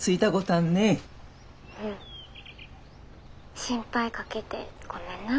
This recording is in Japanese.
心配かけてごめんな。